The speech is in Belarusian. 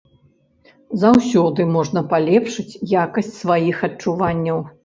Заўсёды можна палепшыць якасць сваіх адчуванняў.